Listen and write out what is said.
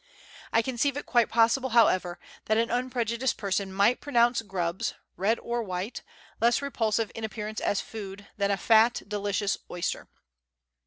I conceive it quite possible, however, that an unprejudiced person might pronounce grubs red or white less repulsive in appearance as food than a fat. delicious oyster.